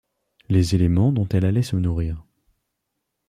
Les éléments dont elle allait se nourrir.